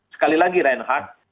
sekali lagi reinhardt